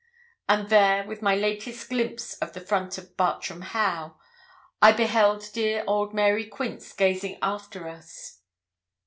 And there, with my latest glimpse of the front of Bartram Haugh, I beheld dear old Mary Quince gazing after us.